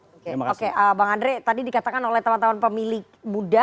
oke oke bang andre tadi dikatakan oleh teman teman pemilik muda